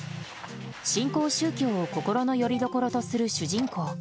新興宗教を心のよりどころとする主人公。